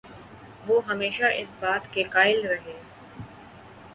وہ ہمیشہ اس بات کے قائل رہے